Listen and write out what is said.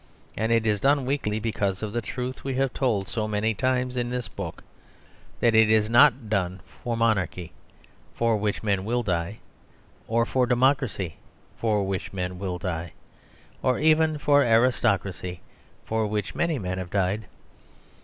And it is done weakly because of the truth we have told so many times in this book: that it is not done for monarchy, for which men will die; or for democracy, for which men will die; or even for aristocracy, for which many men have died.